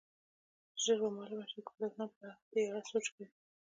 ژر به معلومه شي، ګلداد خان په دې اړه سوچ کوي.